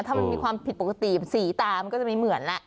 ถ้ามันมีความผิดปกติสีตามันก็จะไม่เหมือนแหละ